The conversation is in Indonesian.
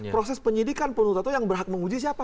proses penyidikan penuntutan itu yang berhak menguji siapa